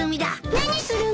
何するの？